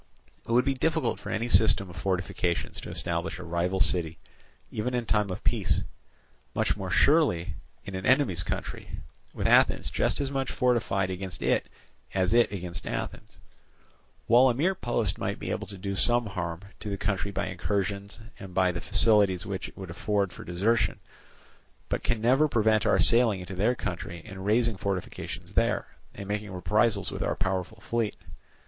It would be difficult for any system of fortifications to establish a rival city, even in time of peace, much more, surely, in an enemy's country, with Athens just as much fortified against it as it against Athens; while a mere post might be able to do some harm to the country by incursions and by the facilities which it would afford for desertion, but can never prevent our sailing into their country and raising fortifications there, and making reprisals with our powerful fleet.